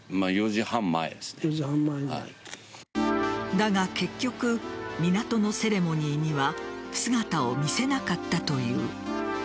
だが結局、港のセレモニーには姿を見せなかったという。